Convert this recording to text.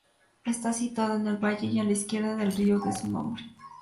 Está situado en el valle y a la izquierda del río de su nombre.